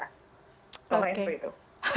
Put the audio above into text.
soalnya itu itu